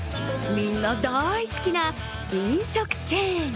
みんな大好きな飲食チェーン。